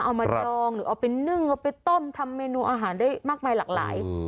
เอามาจองหรือเอาไปนึ่งเอาไปต้มทำเมนูอาหารได้มากมายหลากหลาย